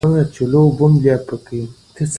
د بد دود باید له منځه یووړل سي.